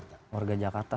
ada sih buat warga jakarta